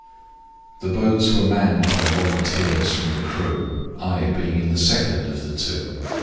"The boats were manned by volunteers from the crew, I being in the second of the two.